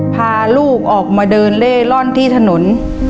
พาลูกออกมาเดินเล่ร่อนที่ถนน